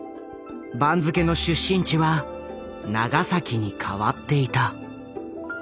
番付の出身地は「長崎」に変わっていた。